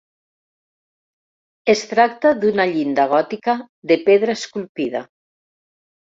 Es tracta d'una llinda gòtica de pedra esculpida.